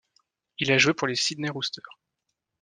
Il a joué pour les Sydney Roosters.